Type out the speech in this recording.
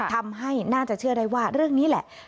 ทำให้น่าจะเชื่อได้ว่าเรื่องนี้แหละ